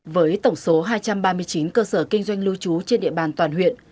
với tổng số hai trăm ba mươi chín cơ sở kinh doanh lưu trú trên địa bàn toàn huyện